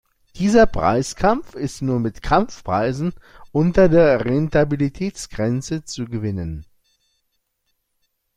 Dieser Preiskampf ist nur mit Kampfpreisen unter der Rentabilitätsgrenze zu gewinnen.